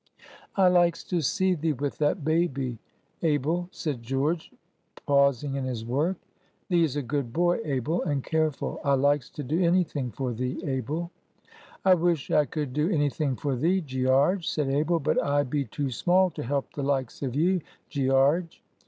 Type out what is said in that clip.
"I likes to see thee with that babby, Abel," said George, pausing in his work. "Thee's a good boy, Abel, and careful. I likes to do any thing for thee, Abel." "I wish I could do any thing for thee, Gearge," said Abel; "but I be too small to help the likes of you, Gearge."